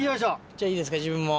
じゃあいいですか自分も。